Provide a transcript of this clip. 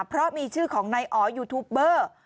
เพราะมีชื่อของนายอ๋อยูทูปเบอร์